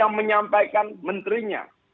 yang menyampaikan menterinya